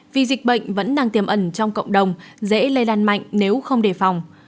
vì dịch bệnh vẫn đang tiềm ẩn trong cộng đồng dễ lây lan mạnh nếu không đề phòng